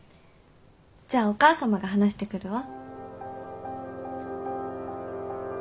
じゃあお母様が話してくるわ。